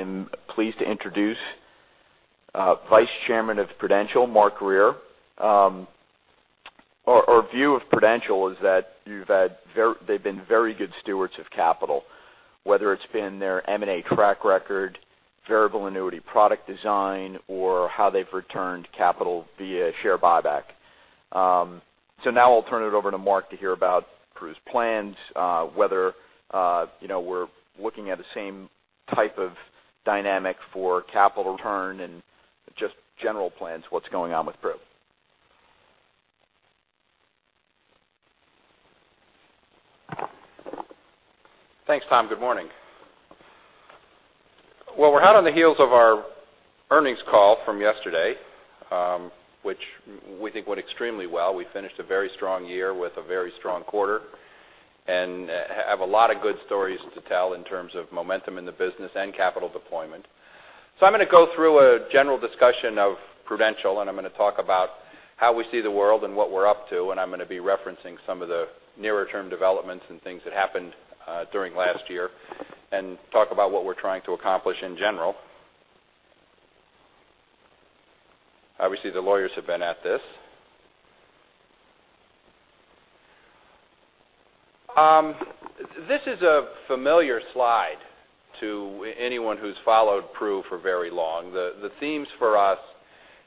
I'm pleased to introduce Vice Chairman of Prudential, Mark Grier. Our view of Prudential is that they've been very good stewards of capital, whether it's been their M&A track record, variable annuity product design, or how they've returned capital via share buyback. Now I'll turn it over to Mark to hear about Pru's plans, whether we're looking at the same type of dynamic for capital return, and just general plans, what's going on with Pru. Thanks, Tom. Good morning. We're hot on the heels of our earnings call from yesterday, which we think went extremely well. We finished a very strong year with a very strong quarter and have a lot of good stories to tell in terms of momentum in the business and capital deployment. I'm going to go through a general discussion of Prudential. I'm going to talk about how we see the world and what we're up to. I'm going to be referencing some of the nearer term developments and things that happened during last year and talk about what we're trying to accomplish in general. Obviously, the lawyers have been at this. This is a familiar slide to anyone who's followed Pru for very long. The themes for us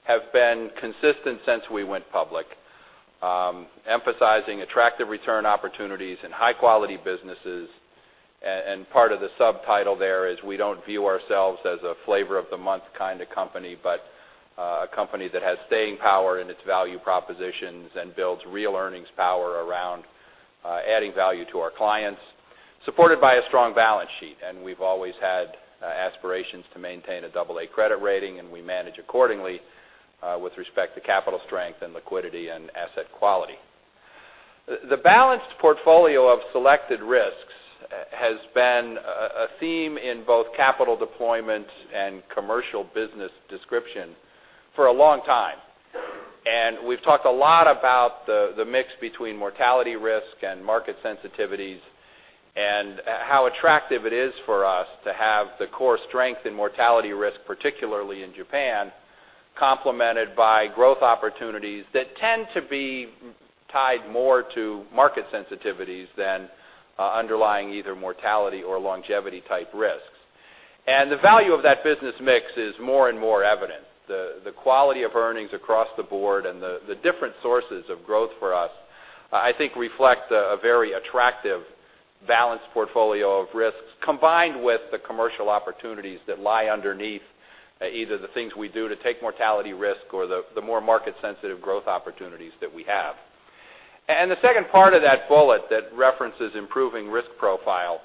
have been consistent since we went public, emphasizing attractive return opportunities and high-quality businesses. Part of the subtitle there is we don't view ourselves as a flavor-of-the-month kind of company, but a company that has staying power in its value propositions and builds real earnings power around adding value to our clients, supported by a strong balance sheet. We've always had aspirations to maintain an AA credit rating, and we manage accordingly with respect to capital strength and liquidity and asset quality. The balanced portfolio of selected risks has been a theme in both capital deployment and commercial business description for a long time. We've talked a lot about the mix between mortality risk and market sensitivities and how attractive it is for us to have the core strength in mortality risk, particularly in Japan, complemented by growth opportunities that tend to be tied more to market sensitivities than underlying either mortality or longevity type risks. The value of that business mix is more and more evident. The quality of earnings across the board and the different sources of growth for us, I think reflect a very attractive balanced portfolio of risks, combined with the commercial opportunities that lie underneath either the things we do to take mortality risk or the more market sensitive growth opportunities that we have. The second part of that bullet that references improving risk profile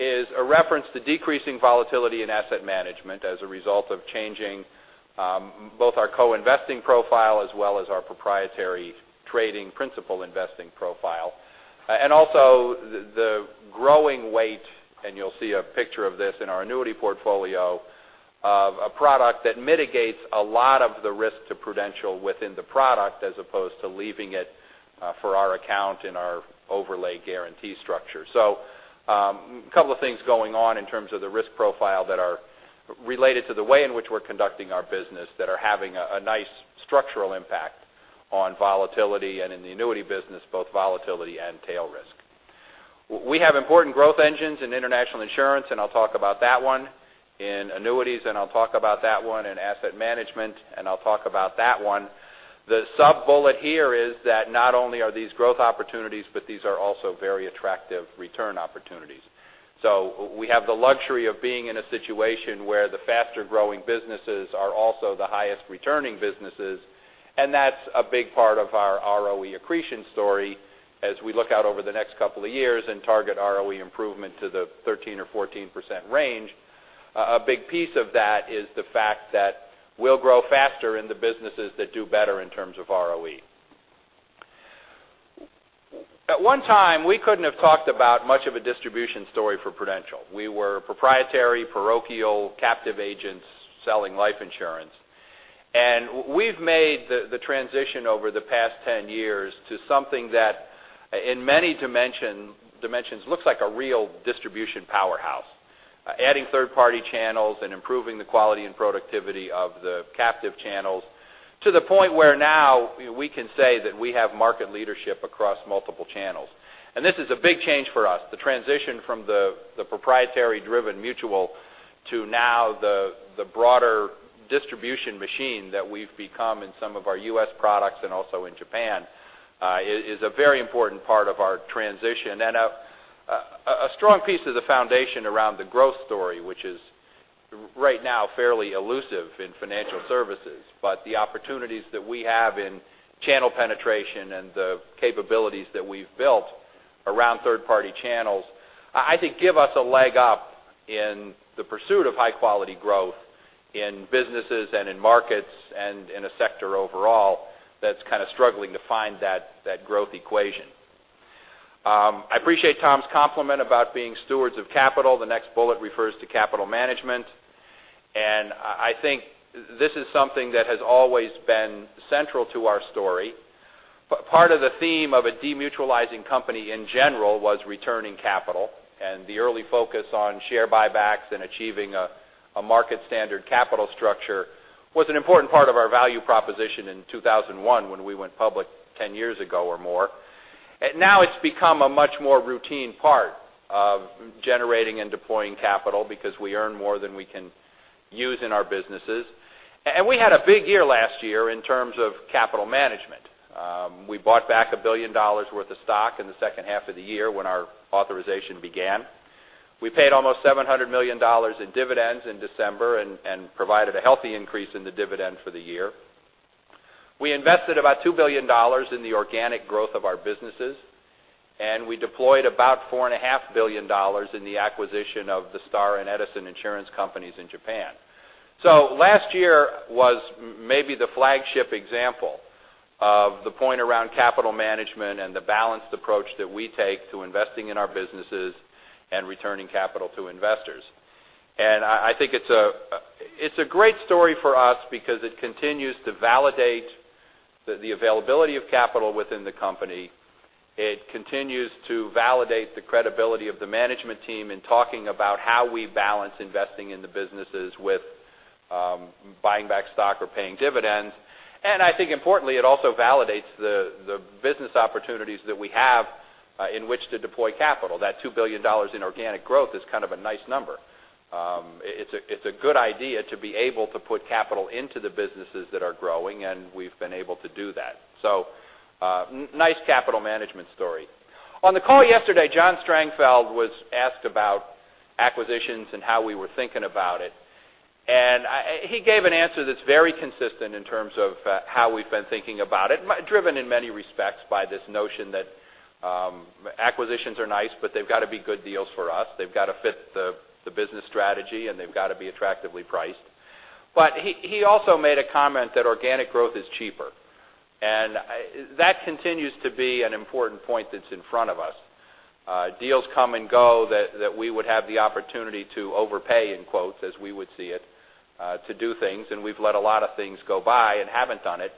is a reference to decreasing volatility in asset management as a result of changing both our co-investing profile as well as our proprietary trading principal investing profile. Also the growing weight, and you'll see a picture of this in our annuity portfolio, of a product that mitigates a lot of the risk to Prudential within the product as opposed to leaving it for our account in our overlay guarantee structure. A couple of things going on in terms of the risk profile that are related to the way in which we're conducting our business that are having a nice structural impact on volatility, and in the annuity business, both volatility and tail risk. We have important growth engines in international insurance, and I'll talk about that one, in annuities, and I'll talk about that one, in asset management, and I'll talk about that one. The sub-bullet here is that not only are these growth opportunities, but these are also very attractive return opportunities. We have the luxury of being in a situation where the faster-growing businesses are also the highest returning businesses, and that's a big part of our ROE accretion story as we look out over the next couple of years and target ROE improvement to the 13% or 14% range. A big piece of that is the fact that we'll grow faster in the businesses that do better in terms of ROE. At one time, we couldn't have talked about much of a distribution story for Prudential. We were proprietary, parochial, captive agents selling life insurance. We've made the transition over the past 10 years to something that in many dimensions looks like a real distribution powerhouse. Adding third-party channels and improving the quality and productivity of the captive channels to the point where now we can say that we have market leadership across multiple channels. This is a big change for us. The transition from the proprietary driven mutual to now the broader distribution machine that we've become in some of our U.S. products and also in Japan, is a very important part of our transition. A strong piece of the foundation around the growth story, which is right now fairly elusive in financial services, but the opportunities that we have in channel penetration and the capabilities that we've built around third-party channels, I think give us a leg up in the pursuit of high-quality growth in businesses and in markets and in a sector overall that's kind of struggling to find that growth equation. I appreciate Tom's compliment about being stewards of capital. The next bullet refers to capital management, and I think this is something that has always been central to our story. Part of the theme of a demutualizing company in general was returning capital, and the early focus on share buybacks and achieving a market standard capital structure was an important part of our value proposition in 2001 when we went public 10 years ago or more. Now it's become a much more routine part of generating and deploying capital because we earn more than we can use in our businesses. We had a big year last year in terms of capital management. We bought back $1 billion worth of stock in the second half of the year when our authorization began. We paid almost $700 million in dividends in December and provided a healthy increase in the dividend for the year. We invested about $2 billion in the organic growth of our businesses, and we deployed about $4.5 billion in the acquisition of the Star and Edison insurance companies in Japan. Last year was maybe the flagship example of the point around capital management and the balanced approach that we take to investing in our businesses and returning capital to investors. I think it's a great story for us because it continues to validate the availability of capital within the company. It continues to validate the credibility of the management team in talking about how we balance investing in the businesses with buying back stock or paying dividends. I think importantly, it also validates the business opportunities that we have in which to deploy capital. That $2 billion in organic growth is kind of a nice number. It's a good idea to be able to put capital into the businesses that are growing, and we've been able to do that. Nice capital management story. On the call yesterday, John Strangfeld was asked about acquisitions and how we were thinking about it. He gave an answer that's very consistent in terms of how we've been thinking about it, driven in many respects by this notion that acquisitions are nice. They've got to be good deals for us. They've got to fit the business strategy. They've got to be attractively priced. He also made a comment that organic growth is cheaper. That continues to be an important point that's in front of us. Deals come and go that we would have the opportunity to overpay in quotes, as we would see it, to do things. We've let a lot of things go by and haven't done it.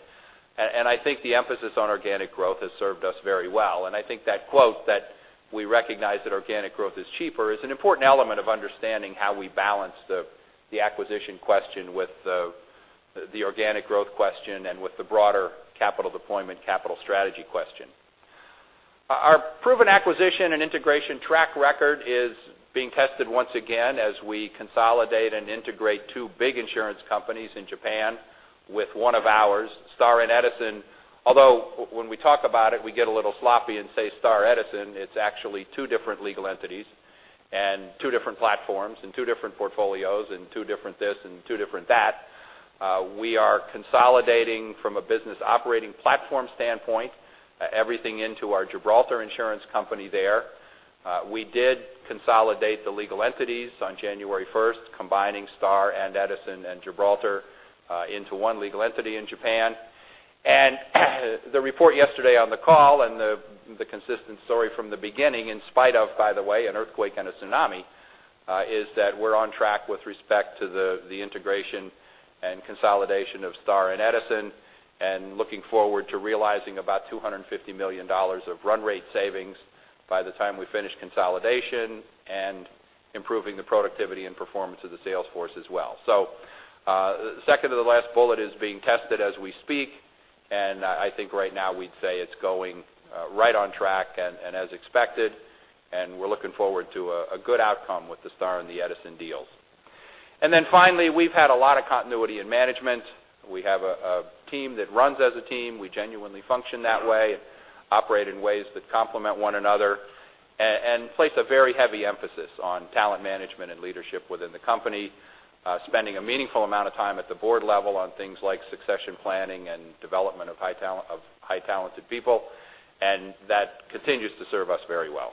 I think the emphasis on organic growth has served us very well. I think that quote, that we recognize that organic growth is cheaper, is an important element of understanding how we balance the acquisition question with the organic growth question and with the broader capital deployment, capital strategy question. Our proven acquisition and integration track record is being tested once again as we consolidate and integrate two big insurance companies in Japan with one of ours, Star and Edison. Although when we talk about it, we get a little sloppy and say Star Edison, it's actually two different legal entities and two different platforms and two different portfolios and two different this and two different that. We are consolidating from a business operating platform standpoint, everything into our Gibraltar Insurance company there. We did consolidate the legal entities on January 1st, combining Star and Edison and Gibraltar into one legal entity in Japan. The report yesterday on the call and the consistent story from the beginning, in spite of, by the way, an earthquake and a tsunami, is that we're on track with respect to the integration and consolidation of Star and Edison, and looking forward to realizing about $250 million of run rate savings by the time we finish consolidation, and improving the productivity and performance of the sales force as well. Second to the last bullet is being tested as we speak. I think right now we'd say it's going right on track and as expected. We're looking forward to a good outcome with the Star and the Edison deals. Finally, we've had a lot of continuity in management. We have a team that runs as a team. We genuinely function that way and operate in ways that complement one another and place a very heavy emphasis on talent management and leadership within the company, spending a meaningful amount of time at the board level on things like succession planning and development of high talented people, that continues to serve us very well.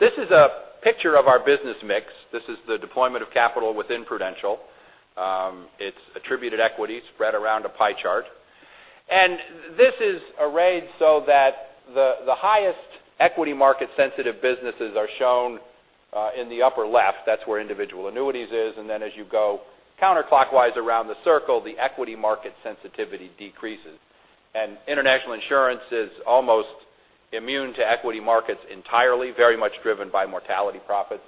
This is a picture of our business mix. This is the deployment of capital within Prudential. It's attributed equity spread around a pie chart. This is arrayed so that the highest equity market sensitive businesses are shown in the upper left. That's where individual annuities is, then as you go counterclockwise around the circle, the equity market sensitivity decreases. International insurance is almost immune to equity markets entirely, very much driven by mortality profits.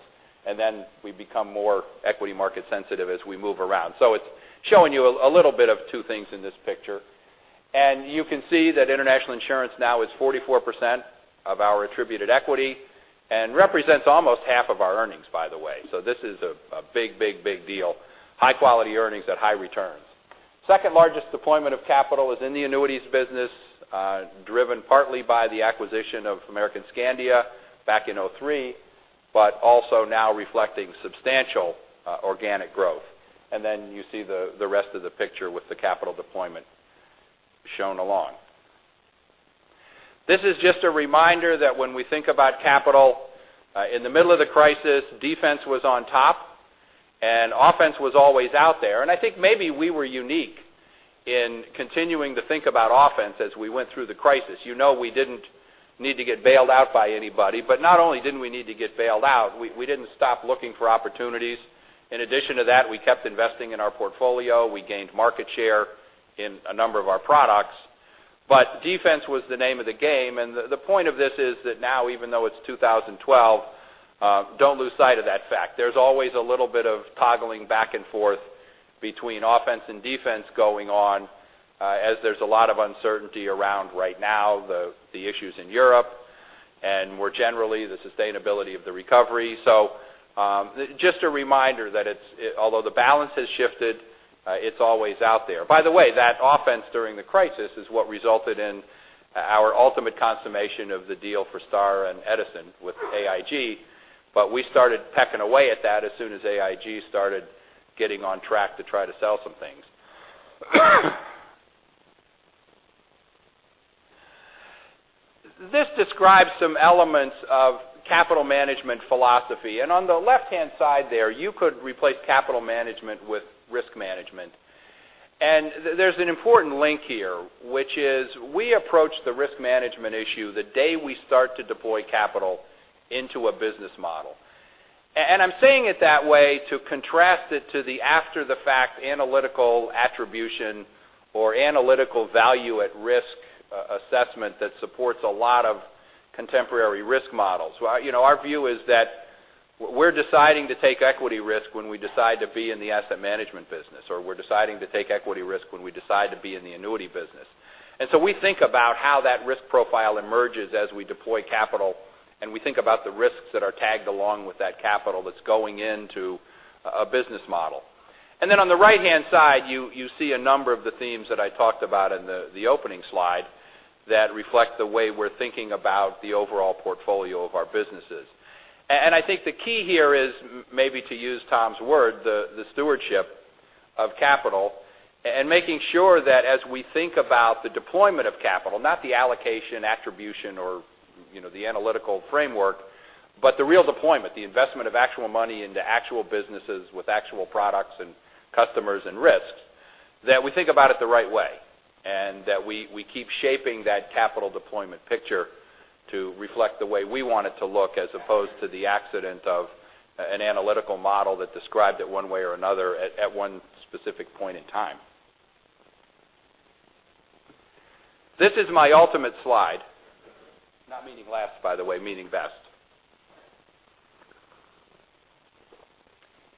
Then we become more equity market sensitive as we move around. It's showing you a little bit of two things in this picture. You can see that international insurance now is 44% of our attributed equity and represents almost half of our earnings, by the way. This is a big deal. High quality earnings at high returns. Second largest deployment of capital is in the annuities business, driven partly by the acquisition of American Skandia back in 2003, but also now reflecting substantial organic growth. Then you see the rest of the picture with the capital deployment shown along. This is just a reminder that when we think about capital, in the middle of the crisis, defense was on top and offense was always out there. I think maybe we were unique in continuing to think about offense as we went through the crisis. You know we didn't need to get bailed out by anybody. Not only didn't we need to get bailed out, we didn't stop looking for opportunities. In addition to that, we kept investing in our portfolio. We gained market share in a number of our products. Defense was the name of the game. The point of this is that now, even though it's 2012, don't lose sight of that fact. There's always a little bit of toggling back and forth between offense and defense going on, as there's a lot of uncertainty around right now, the issues in Europe, and more generally, the sustainability of the recovery. Just a reminder that although the balance has shifted, it's always out there. By the way, that offense during the crisis is what resulted in our ultimate consummation of the deal for Star and Edison with AIG. We started pecking away at that as soon as AIG started getting on track to try to sell some things. This describes some elements of capital management philosophy, on the left-hand side there, you could replace capital management with risk management. There's an important link here, which is we approach the risk management issue the day we start to deploy capital into a business model. I'm saying it that way to contrast it to the after the fact analytical attribution or analytical value at risk assessment that supports a lot of contemporary risk models. Our view is that we're deciding to take equity risk when we decide to be in the asset management business, we're deciding to take equity risk when we decide to be in the annuity business. We think about how that risk profile emerges as we deploy capital, and we think about the risks that are tagged along with that capital that's going into a business model. On the right-hand side, you see a number of the themes that I talked about in the opening slide that reflect the way we're thinking about the overall portfolio of our businesses. I think the key here is maybe to use Tom's word, the stewardship of capital and making sure that as we think about the deployment of capital, not the allocation, attribution, or the analytical framework, but the real deployment, the investment of actual money into actual businesses with actual products and customers and risks, that we think about it the right way, and that we keep shaping that capital deployment picture to reflect the way we want it to look, as opposed to the accident of an analytical model that described it one way or another at one specific point in time. This is my ultimate slide. Not meaning last, by the way, meaning best.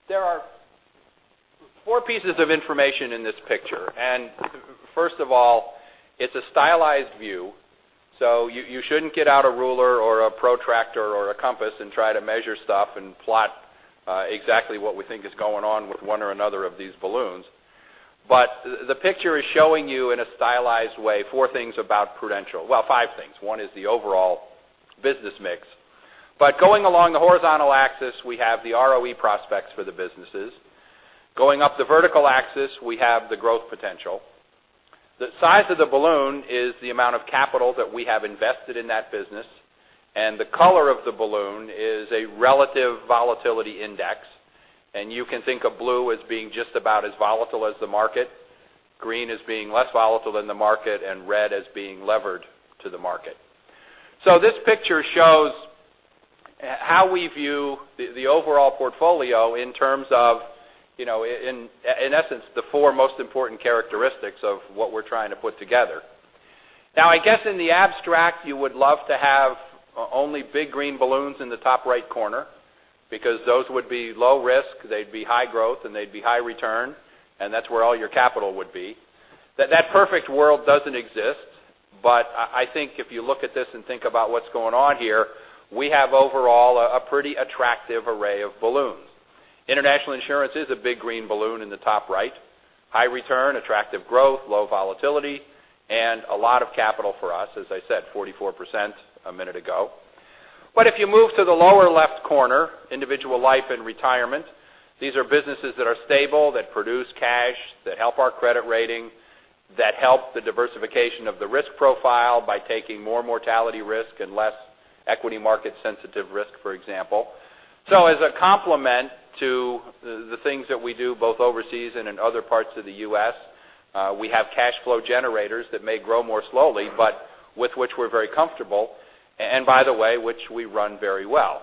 There are four pieces of information in this picture. First of all, it's a stylized view, so you shouldn't get out a ruler or a protractor or a compass and try to measure stuff and plot exactly what we think is going on with one or another of these balloons. The picture is showing you in a stylized way, four things about Prudential. Well, five things. One is the overall business mix. Going along the horizontal axis, we have the ROE prospects for the businesses. Going up the vertical axis, we have the growth potential. The size of the balloon is the amount of capital that we have invested in that business, and the color of the balloon is a relative volatility index, and you can think of blue as being just about as volatile as the market, green as being less volatile than the market, and red as being levered to the market. This picture shows how we view the overall portfolio in terms of, in essence, the four most important characteristics of what we're trying to put together. Now, I guess in the abstract, you would love to have only big green balloons in the top right corner, because those would be low risk, they'd be high growth, and they'd be high return. That's where all your capital would be. That perfect world doesn't exist. I think if you look at this and think about what's going on here, we have overall a pretty attractive array of balloons. International insurance is a big green balloon in the top right. High return, attractive growth, low volatility, and a lot of capital for us, as I said, 44% a minute ago. If you move to the lower left corner, individual life and retirement, these are businesses that are stable, that produce cash, that help our credit rating, that help the diversification of the risk profile by taking more mortality risk and less equity market sensitive risk, for example. As a complement to the things that we do both overseas and in other parts of the U.S., we have cash flow generators that may grow more slowly, but with which we're very comfortable, and by the way, which we run very well.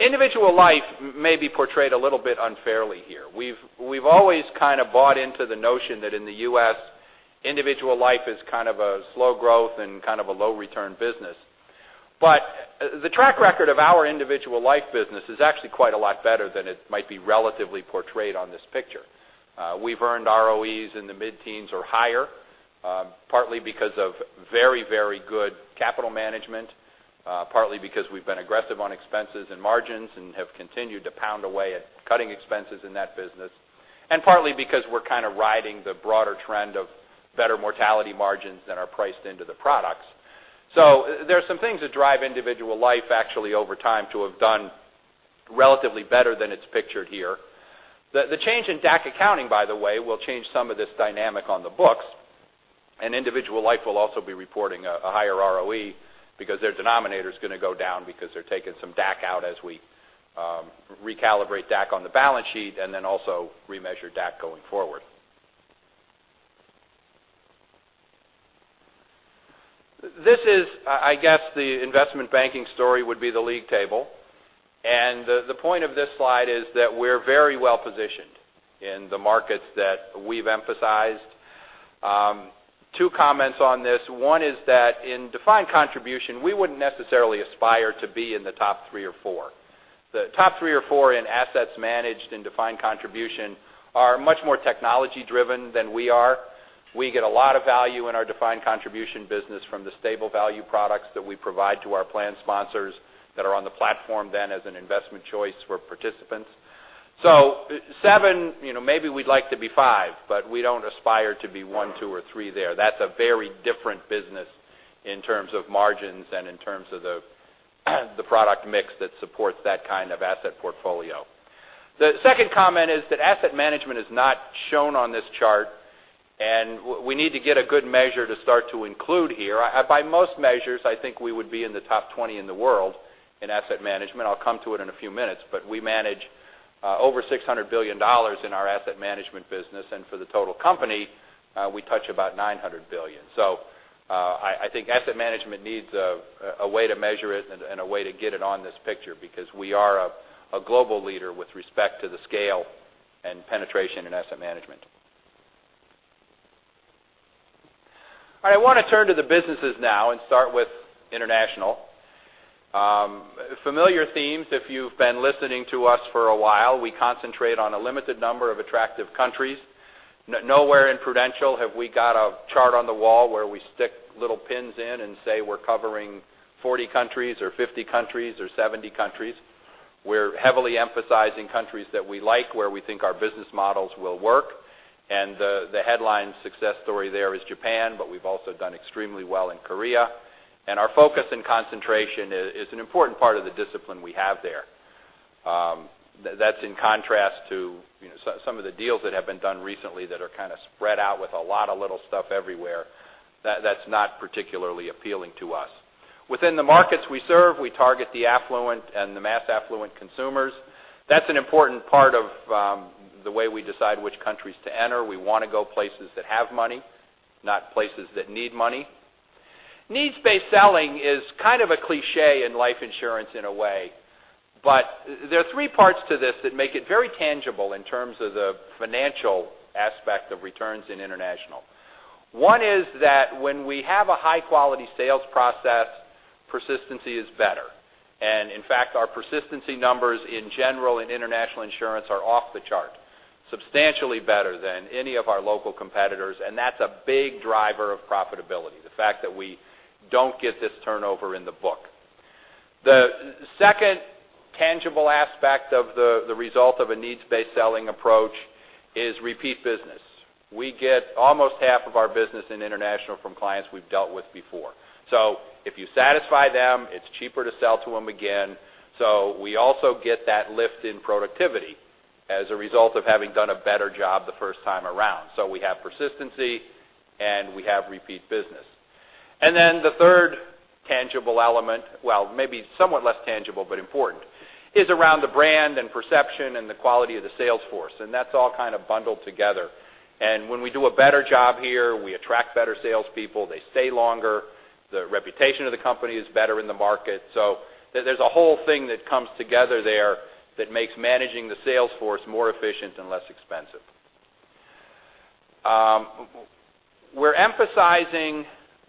Individual life may be portrayed a little bit unfairly here. We've always kind of bought into the notion that in the U.S., individual life is a slow growth and a low return business. The track record of our individual life business is actually quite a lot better than it might be relatively portrayed on this picture. We've earned ROEs in the mid-teens or higher, partly because of very good capital management, partly because we've been aggressive on expenses and margins and have continued to pound away at cutting expenses in that business, and partly because we're kind of riding the broader trend of better mortality margins than are priced into the products. There's some things that drive individual life actually over time to have done relatively better than it's pictured here. The change in DAC accounting, by the way, will change some of this dynamic on the books. Individual life will also be reporting a higher ROE because their denominator is going to go down because they're taking some DAC out as we recalibrate DAC on the balance sheet and then also remeasure DAC going forward. This is, I guess, the investment banking story would be the league table. The point of this slide is that we're very well-positioned in the markets that we've emphasized. Two comments on this. One is that in defined contribution, we wouldn't necessarily aspire to be in the top three or four. The top three or four in assets managed in defined contribution are much more technology driven than we are. We get a lot of value in our defined contribution business from the stable value products that we provide to our plan sponsors that are on the platform then as an investment choice for participants. Seven, maybe we'd like to be five, but we don't aspire to be one, two, or three there. That's a very different business in terms of margins and in terms of the product mix that supports that kind of asset portfolio. The second comment is that asset management is not shown on this chart, and we need to get a good measure to start to include here. By most measures, I think we would be in the top 20 in the world in asset management. I'll come to it in a few minutes, but we manage over $600 billion in our asset management business. For the total company, we touch about $900 billion. I think asset management needs a way to measure it and a way to get it on this picture because we are a global leader with respect to the scale and penetration in asset management. I want to turn to the businesses now and start with international. Familiar themes if you've been listening to us for a while, we concentrate on a limited number of attractive countries. Nowhere in Prudential have we got a chart on the wall where we stick little pins in and say we're covering 40 countries or 50 countries or 70 countries. We're heavily emphasizing countries that we like, where we think our business models will work. The headline success story there is Japan, but we've also done extremely well in Korea. Our focus and concentration is an important part of the discipline we have there. That's in contrast to some of the deals that have been done recently that are kind of spread out with a lot of little stuff everywhere. That's not particularly appealing to us. Within the markets we serve, we target the affluent and the mass affluent consumers. That's an important part of the way we decide which countries to enter. We want to go places that have money, not places that need money. Needs-based selling is kind of a cliche in life insurance in a way, but there are three parts to this that make it very tangible in terms of the financial aspect of returns in international. One is that when we have a high-quality sales process, persistency is better. In fact, our persistency numbers in general in international insurance are off the chart, substantially better than any of our local competitors, and that's a big driver of profitability, the fact that we don't get this turnover in the book. The second tangible aspect of the result of a needs-based selling approach is repeat business. We get almost half of our business in international from clients we've dealt with before. If you satisfy them, it's cheaper to sell to them again. We also get that lift in productivity as a result of having done a better job the first time around. We have persistency, and we have repeat business. Then the third tangible element, well, maybe somewhat less tangible but important, is around the brand and perception and the quality of the sales force, and that's all kind of bundled together. When we do a better job here, we attract better salespeople. They stay longer. The reputation of the company is better in the market. There's a whole thing that comes together there that makes managing the sales force more efficient and less expensive. We're emphasizing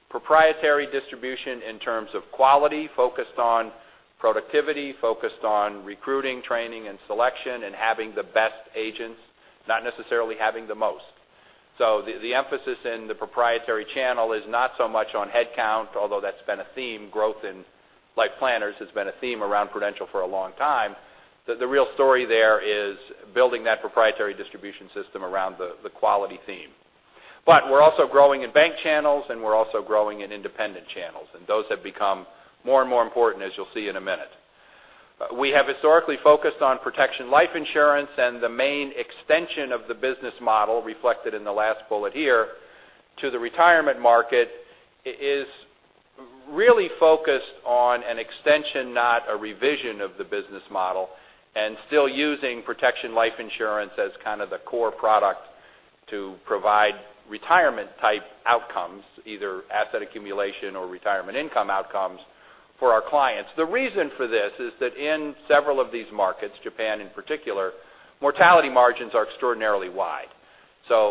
proprietary distribution in terms of quality, focused on productivity, focused on recruiting, training, and selection, and having the best agents, not necessarily having the most. The emphasis in the proprietary channel is not so much on headcount, although that's been a theme, growth in Life Planners has been a theme around Prudential for a long time. The real story there is building that proprietary distribution system around the quality theme. We're also growing in bank channels, and we're also growing in independent channels, and those have become more and more important as you'll see in a minute. We have historically focused on protection life insurance, and the main extension of the business model reflected in the last bullet here to the retirement market is really focused on an extension, not a revision of the business model, and still using protection life insurance as kind of the core product to provide retirement type outcomes, either asset accumulation or retirement income outcomes for our clients. The reason for this is that in several of these markets, Japan in particular, mortality margins are extraordinarily wide.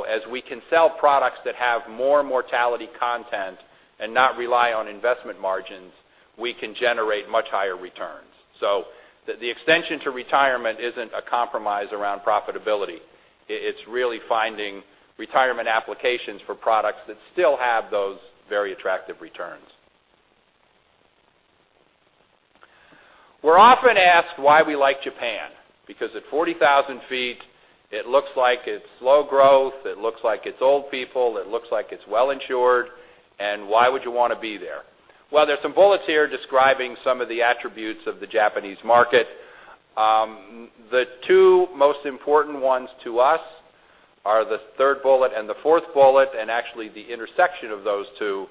As we can sell products that have more mortality content and not rely on investment margins, we can generate much higher returns. The extension to retirement isn't a compromise around profitability. It's really finding retirement applications for products that still have those very attractive returns. We're often asked why we like Japan, because at 40,000 feet, it looks like it's low growth, it looks like it's old people, it looks like it's well insured, and why would you want to be there? Well, there's some bullets here describing some of the attributes of the Japanese market. The two most important ones to us are the third bullet and the fourth bullet. Actually the intersection of those two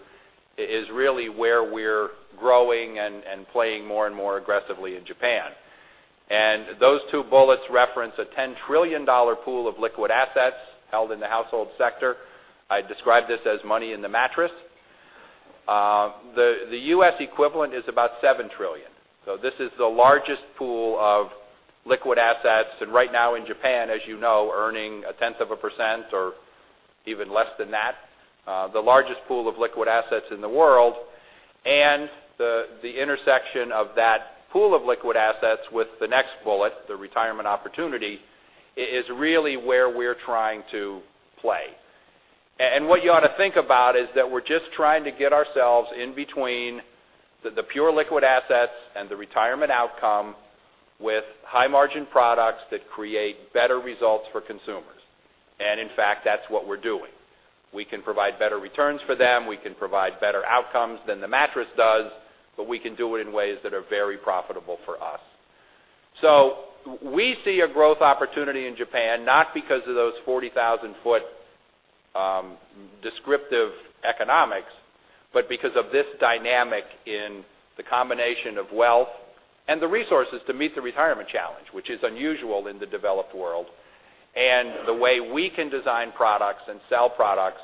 is really where we're growing and playing more and more aggressively in Japan. Those two bullets reference a $10 trillion pool of liquid assets held in the household sector. I describe this as money in the mattress. The U.S. equivalent is about $7 trillion. This is the largest pool of liquid assets, and right now in Japan, as you know, earning 0.1% or even less than that, the largest pool of liquid assets in the world. The intersection of that pool of liquid assets with the next bullet, the retirement opportunity, is really where we're trying to play. What you ought to think about is that we're just trying to get ourselves in between the pure liquid assets and the retirement outcome with high margin products that create better results for consumers. In fact, that's what we're doing. We can provide better returns for them. We can provide better outcomes than the mattress does, but we can do it in ways that are very profitable for us. We see a growth opportunity in Japan, not because of those 40,000-foot descriptive economics, but because of this dynamic in the combination of wealth and the resources to meet the retirement challenge, which is unusual in the developed world. The way we can design products and sell products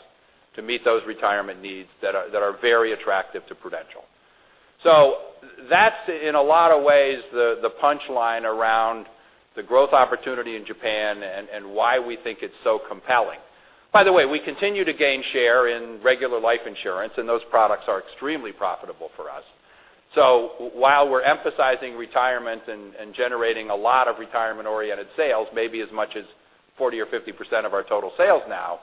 to meet those retirement needs that are very attractive to Prudential. That's, in a lot of ways, the punchline around the growth opportunity in Japan and why we think it's so compelling. By the way, we continue to gain share in regular life insurance. Those products are extremely profitable for us. While we're emphasizing retirement and generating a lot of retirement-oriented sales, maybe as much as 40% or 50% of our total sales now,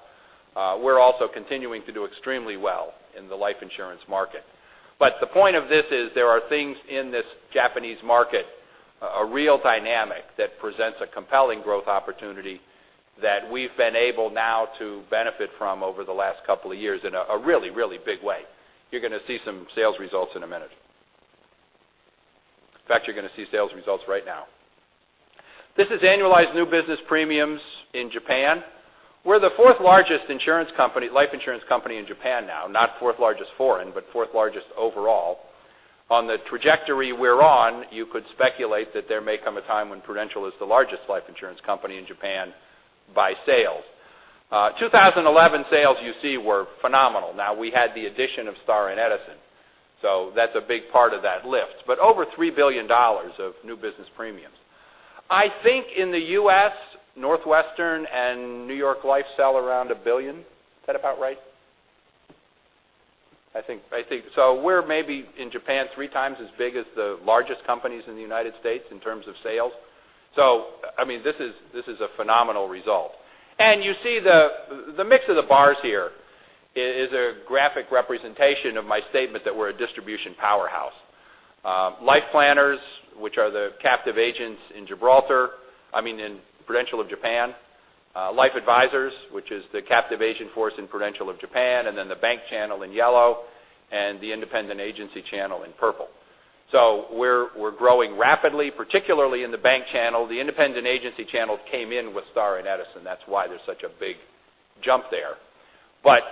we're also continuing to do extremely well in the life insurance market. The point of this is there are things in this Japanese market, a real dynamic that presents a compelling growth opportunity that we've been able now to benefit from over the last couple of years in a really, really big way. You're going to see some sales results in a minute. In fact, you're going to see sales results right now. This is annualized new business premiums in Japan. We're the 4th largest life insurance company in Japan now, not 4th largest foreign, but 4th largest overall. On the trajectory we're on, you could speculate that there may come a time when Prudential is the largest life insurance company in Japan by sales. 2011 sales you see were phenomenal. We had the addition of Star and Edison. That's a big part of that lift. But over $3 billion of new business premiums. I think in the U.S., Northwestern and New York Life sell around $1 billion. Is that about right? I think so. We're maybe in Japan three times as big as the largest companies in the United States in terms of sales. This is a phenomenal result. You see the mix of the bars here is a graphic representation of my statement that we're a distribution powerhouse. Life Planners, which are the captive agents in Gibraltar, I mean in Prudential of Japan, Life Advisors, which is the captive agent force in Prudential of Japan, and then the bank channel in yellow and the independent agency channel in purple. We're growing rapidly, particularly in the bank channel. The independent agency channel came in with Star and Edison. That's why there's such a big jump there.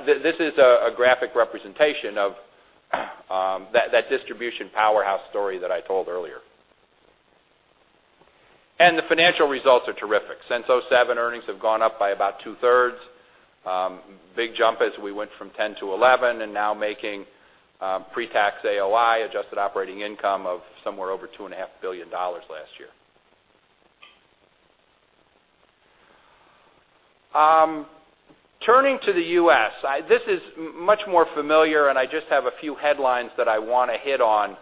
This is a graphic representation of that distribution powerhouse story that I told earlier. The financial results are terrific. Since 2007, earnings have gone up by about two-thirds. Big jump as we went from 2010 to 2011, and now making pre-tax AOI, adjusted operating income, of somewhere over $2.5 billion last year. Turning to the U.S., this is much more familiar. I just have a few headlines that I want to hit on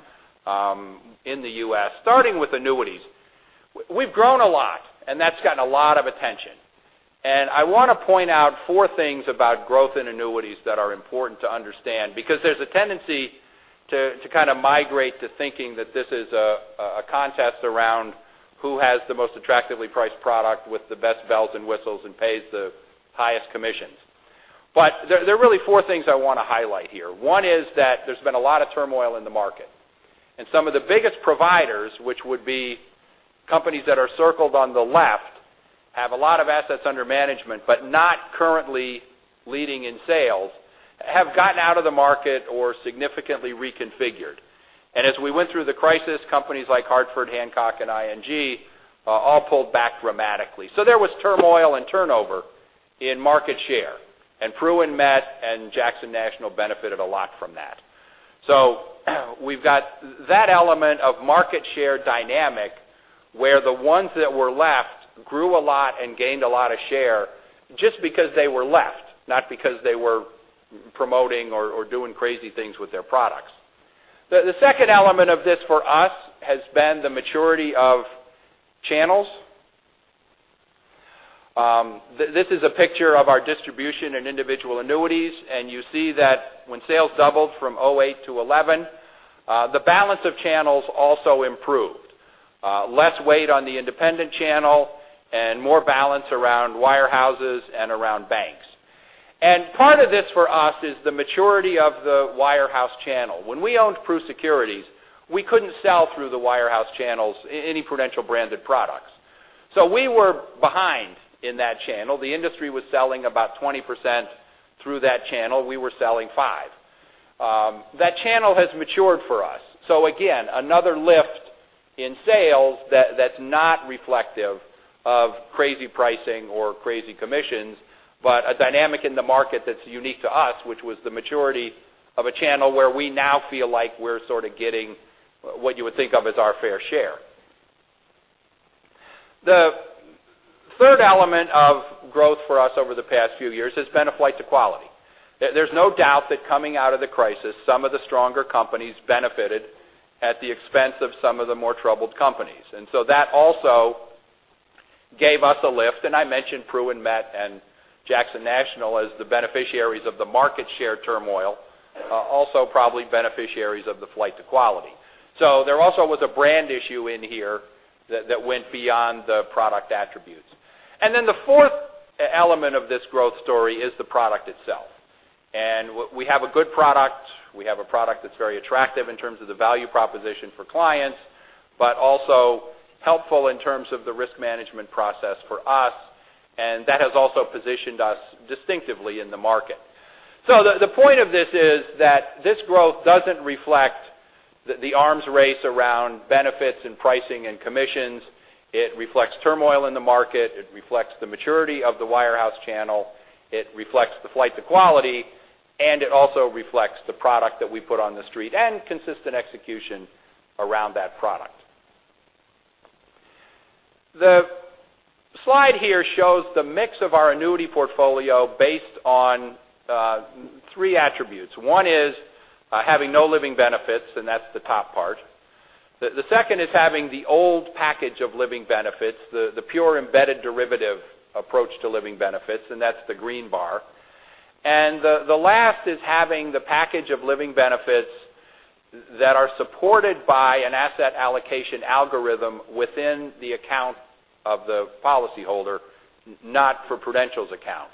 in the U.S., starting with annuities. We've grown a lot, and that's gotten a lot of attention. I want to point out four things about growth in annuities that are important to understand because there's a tendency to migrate to thinking that this is a contest around who has the most attractively priced product with the best bells and whistles and pays the highest commissions. There are really four things I want to highlight here. One is that there's been a lot of turmoil in the market. Some of the biggest providers, which would be companies that are circled on the left, have a lot of assets under management, but not currently leading in sales, have gotten out of the market or significantly reconfigured. As we went through the crisis, companies like Hartford, Hancock, and ING all pulled back dramatically. There was turmoil and turnover in market share. Pru and Met and Jackson National benefited a lot from that. We've got that element of market share dynamic where the ones that were left grew a lot and gained a lot of share just because they were left, not because they were promoting or doing crazy things with their products. The second element of this for us has been the maturity of channels. This is a picture of our distribution in individual annuities. You see that when sales doubled from 2008 to 2011, the balance of channels also improved. Less weight on the independent channel and more balance around wirehouses and around banks. Part of this for us is the maturity of the wirehouse channel. When we owned Pru Securities, we couldn't sell through the wirehouse channels any Prudential branded products. We were behind in that channel. The industry was selling about 20% through that channel. We were selling 5%. That channel has matured for us. Again, another lift in sales that's not reflective of crazy pricing or crazy commissions, but a dynamic in the market that's unique to us, which was the maturity of a channel where we now feel like we're sort of getting what you would think of as our fair share. The third element of growth for us over the past few years has been a flight to quality. There's no doubt that coming out of the crisis, some of the stronger companies benefited at the expense of some of the more troubled companies. That also gave us a lift. I mentioned Pru and Met and Jackson National as the beneficiaries of the market share turmoil, also probably beneficiaries of the flight to quality. There also was a brand issue in here that went beyond the product attributes. The fourth element of this growth story is the product itself. We have a good product. We have a product that's very attractive in terms of the value proposition for clients, but also helpful in terms of the risk management process for us. That has also positioned us distinctively in the market. The point of this is that this growth doesn't reflect the arms race around benefits and pricing and commissions. It reflects turmoil in the market. It reflects the maturity of the wirehouse channel. It reflects the flight to quality, it also reflects the product that we put on the street and consistent execution around that product. The slide here shows the mix of our annuity portfolio based on three attributes. One is having no living benefits, and that's the top part. The second is having the old package of living benefits, the pure embedded derivative approach to living benefits, that's the green bar. The last is having the package of living benefits that are supported by an asset allocation algorithm within the account of the policy holder, not for Prudential's account.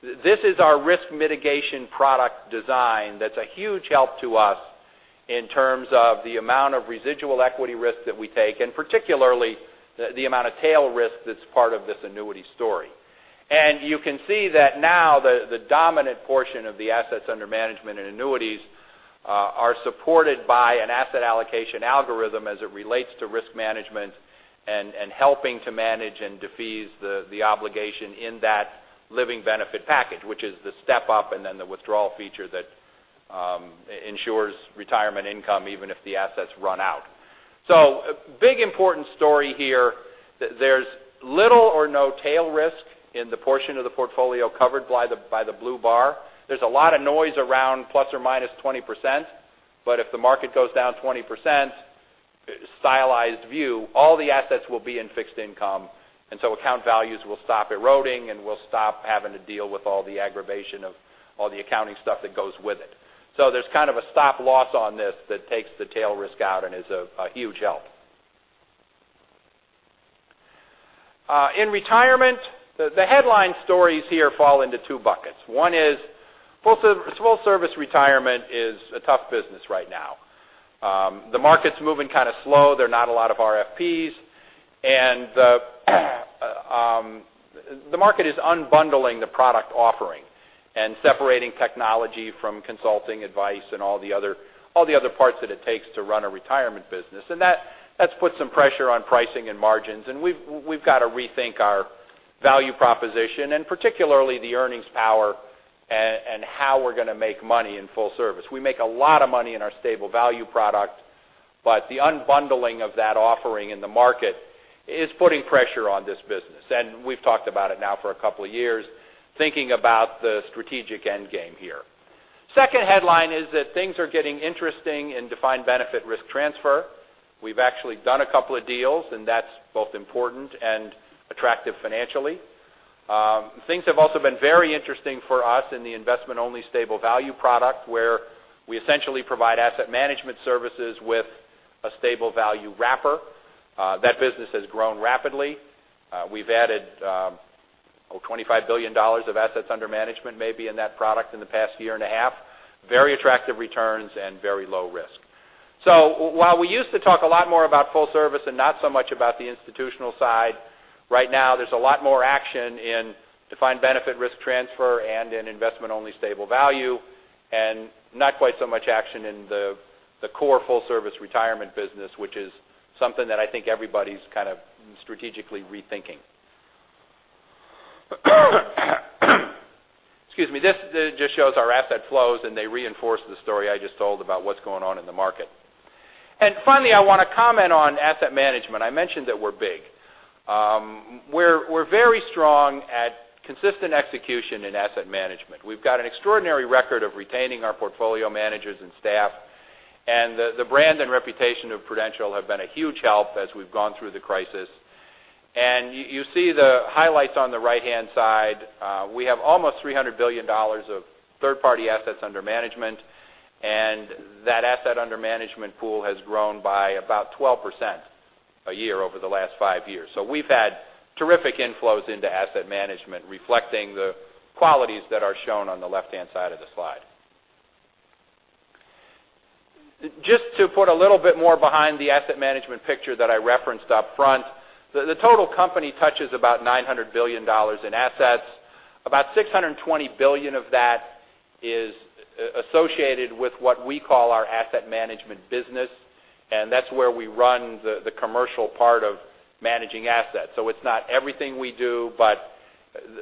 This is our risk mitigation product design that's a huge help to us in terms of the amount of residual equity risk that we take, and particularly the amount of tail risk that's part of this annuity story. You can see that now the dominant portion of the assets under management and annuities are supported by an asset allocation algorithm as it relates to risk management and helping to manage and defease the obligation in that living benefit package, which is the step-up and then the withdrawal feature that ensures retirement income even if the assets run out. A big important story here, there's little or no tail risk in the portion of the portfolio covered by the blue bar. There's a lot of noise around ±20%, but if the market goes down 20%, stylized view, all the assets will be in fixed income. Account values will stop eroding, and we'll stop having to deal with all the aggravation of all the accounting stuff that goes with it. There's kind of a stop loss on this that takes the tail risk out and is a huge help. In retirement, the headline stories here fall into two buckets. One is full service retirement is a tough business right now. The market's moving kind of slow. There are not a lot of RFPs. The market is unbundling the product offering and separating technology from consulting advice and all the other parts that it takes to run a retirement business. That's put some pressure on pricing and margins. We've got to rethink our value proposition and particularly the earnings power and how we're going to make money in full service. We make a lot of money in our stable value product, but the unbundling of that offering in the market is putting pressure on this business. We've talked about it now for a couple of years, thinking about the strategic end game here. Second headline is that things are getting interesting in defined benefit risk transfer. We've actually done a couple of deals, and that's both important and attractive financially. Things have also been very interesting for us in the investment only stable value product where we essentially provide asset management services with a stable value wrapper. That business has grown rapidly. We've added $25 billion of assets under management maybe in that product in the past year and a half. Very attractive returns and very low risk. While we used to talk a lot more about full service and not so much about the institutional side, right now there's a lot more action in defined benefit risk transfer and in investment only stable value and not quite so much action in the core full service retirement business, which is something that I think everybody's kind of strategically rethinking. Excuse me. This just shows our asset flows. They reinforce the story I just told about what's going on in the market. Finally, I want to comment on asset management. I mentioned that we're big. We're very strong at consistent execution in asset management. We've got an extraordinary record of retaining our portfolio managers and staff. The brand and reputation of Prudential have been a huge help as we've gone through the crisis. You see the highlights on the right-hand side. We have almost $300 billion of third-party assets under management. That asset under management pool has grown by about 12% a year over the last five years. We've had terrific inflows into asset management reflecting the qualities that are shown on the left-hand side of the slide. Just to put a little bit more behind the asset management picture that I referenced upfront, the total company touches about $900 billion in assets. About $620 billion of that is associated with what we call our asset management business. That's where we run the commercial part of managing assets. It's not everything we do, but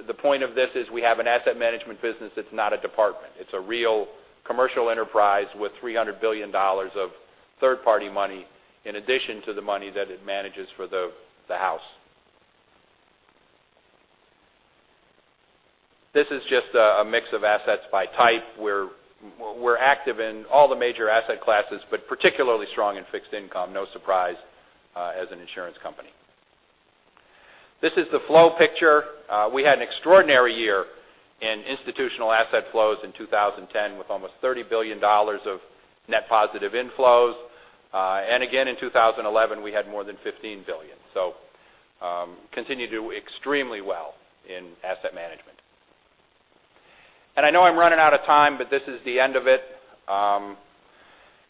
the point of this is we have an asset management business that's not a department. It's a real commercial enterprise with $300 billion of third-party money in addition to the money that it manages for the house. This is just a mix of assets by type. We're active in all the major asset classes, but particularly strong in fixed income, no surprise, as an insurance company. This is the flow picture. We had an extraordinary year in institutional asset flows in 2010 with almost $30 billion of net positive inflows. Again, in 2011, we had more than $15 billion. Continue to do extremely well in asset management. I know I'm running out of time, but this is the end of it.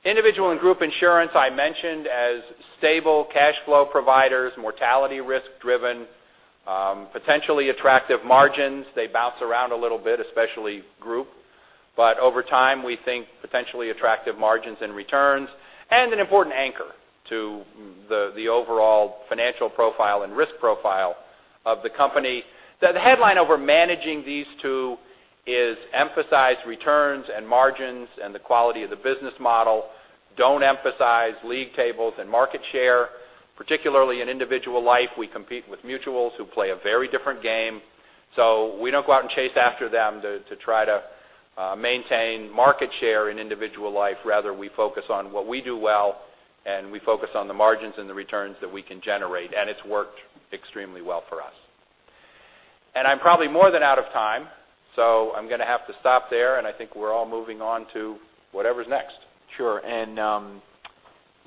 Individual and group insurance, I mentioned as stable cash flow providers, mortality risk driven, potentially attractive margins. They bounce around a little bit, especially group. Over time, we think potentially attractive margins and returns and an important anchor to the overall financial profile and risk profile of the company. The headline over managing these two is emphasize returns and margins and the quality of the business model. Don't emphasize league tables and market share. Particularly in individual life, we compete with mutuals who play a very different game. We don't go out and chase after them to try to maintain market share in individual life. Rather, we focus on what we do well, and we focus on the margins and the returns that we can generate, and it's worked extremely well for us. I'm probably more than out of time, so I'm going to have to stop there, and I think we're all moving on to whatever's next. Sure.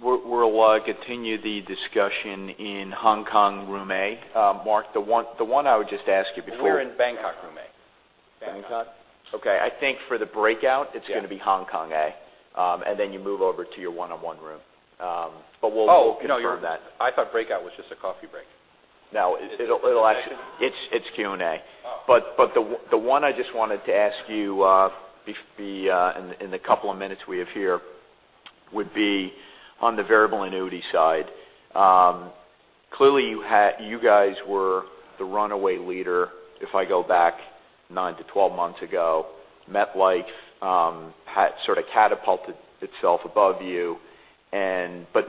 We'll continue the discussion in Hong Kong Room A. Mark, the one I would just ask you before- We're in Bangkok Room A. Bangkok? Bangkok? Okay. I think for the breakout, it's going to be Hong Kong A, then you move over to your one-on-one room. We'll confirm that. Oh, no. I thought breakout was just a coffee break. It's Q&A. Oh. The one I just wanted to ask you in the couple of minutes we have here would be on the variable annuity side. Clearly, you guys were the runaway leader, if I go back nine to 12 months ago. MetLife sort of catapulted itself above you.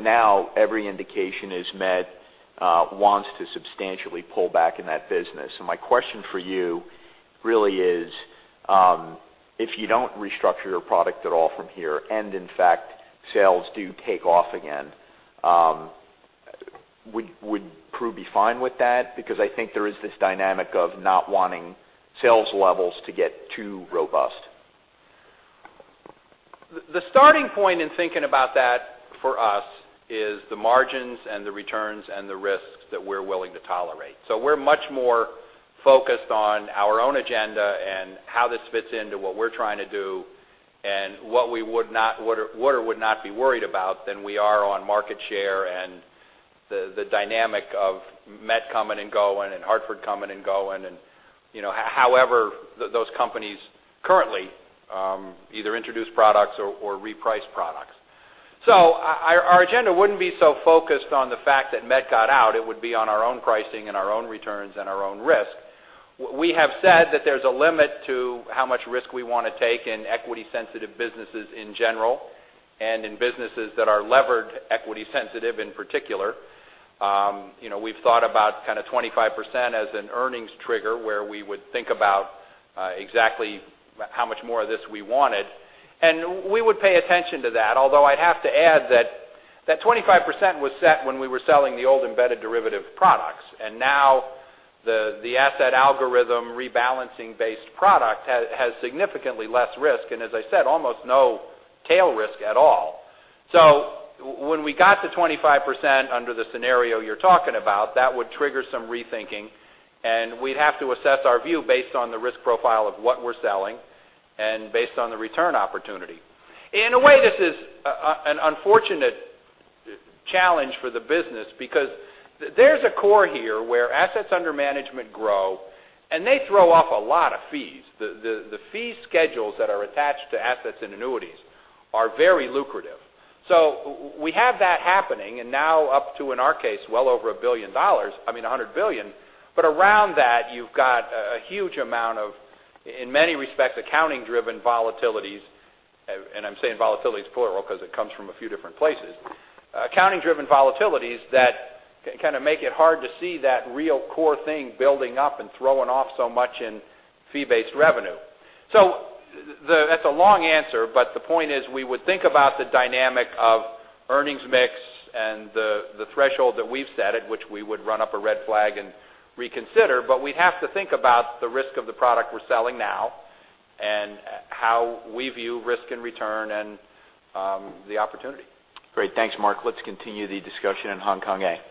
Now every indication is Met wants to substantially pull back in that business. My question for you really is, if you don't restructure your product at all from here, in fact, sales do take off again, would Pru be fine with that? I think there is this dynamic of not wanting sales levels to get too robust. The starting point in thinking about that for us is the margins and the returns and the risks that we're willing to tolerate. We're much more focused on our own agenda and how this fits into what we're trying to do and what would or would not be worried about than we are on market share and the dynamic of Met coming and going and Hartford coming and going, and however those companies currently either introduce products or reprice products. Our agenda wouldn't be so focused on the fact that Met got out. It would be on our own pricing and our own returns and our own risk. We have said that there's a limit to how much risk we want to take in equity sensitive businesses in general, and in businesses that are levered equity sensitive in particular. We've thought about kind of 25% as an earnings trigger where we would think about exactly how much more of this we wanted. We would pay attention to that, although I'd have to add that 25% was set when we were selling the old embedded derivative products. Now the asset algorithm rebalancing based product has significantly less risk, and as I said, almost no tail risk at all. When we got to 25% under the scenario you're talking about, that would trigger some rethinking, and we'd have to assess our view based on the risk profile of what we're selling and based on the return opportunity. In a way, this is an unfortunate challenge for the business because there's a core here where assets under management grow, and they throw off a lot of fees. The fee schedules that are attached to assets and annuities are very lucrative. We have that happening, and now up to, in our case, well over $100 billion. Around that, you've got a huge amount of, in many respects, accounting driven volatilities. I'm saying volatilities plural because it comes from a few different places. Accounting driven volatilities that kind of make it hard to see that real core thing building up and throwing off so much in fee-based revenue. That's a long answer, but the point is we would think about the dynamic of earnings mix and the threshold that we've set at which we would run up a red flag and reconsider. We'd have to think about the risk of the product we're selling now and how we view risk and return and the opportunity. Great. Thanks, Mark. Let's continue the discussion in Hong Kong A.